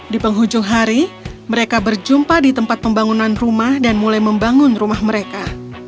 di penghujung hari mereka berjumpa di tempat pembangunan rumah dan mulai membangun rumah mereka